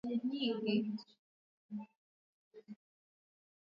Njooni tupumzike